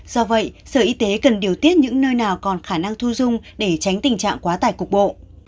do vậy sở y tế cần điều tiết những nơi nào còn khả năng thu dung để tránh tình trạng quá tải cục bộ